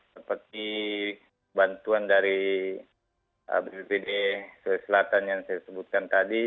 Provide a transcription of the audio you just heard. seperti bantuan dari bpd selatan yang saya sebutkan tadi